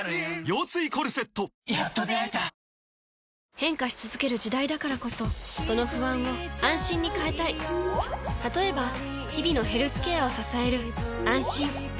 変化し続ける時代だからこそその不安を「あんしん」に変えたい例えば日々のヘルスケアを支える「あんしん」